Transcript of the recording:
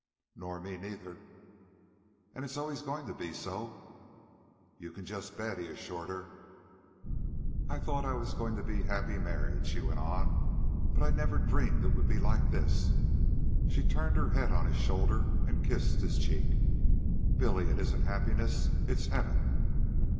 "Nor me neither." "And it's always going to be so?" "You can just bet," he assured her. "I thought I was going to be happy married," she went on; "but I never dreamed it would be like this." She turned her head on his shoulder and kissed his cheek. "Billy, it isn't happiness. It's heaven."